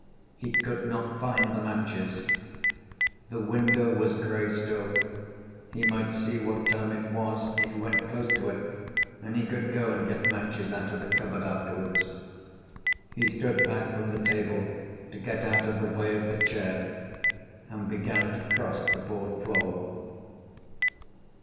He could not find the matches. The window was grey still; he might see what time it was if he went close to it, and he could go and get matches out of the cupboard afterwards. He stood back from the table, to get out of the way of the chair, and began to cross the board floor.